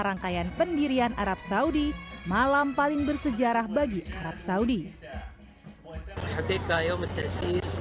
rangkaian pendirian arab saudi malam paling bersejarah bagi arab saudi